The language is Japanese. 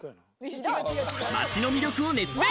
街の魅力を熱弁。